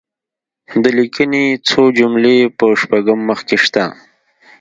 د لیکني څو جملې په شپږم مخ کې شته.